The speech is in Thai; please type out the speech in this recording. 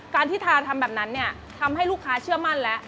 การที่ทาทำแบบนั้นเนี่ยทำให้ลูกค้าเชื่อมั่นแล้ว